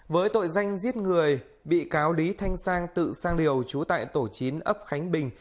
với tội danh giết người bị cáo lý thanh sang tự sang liều trú tại tổ chín ấp khánh bình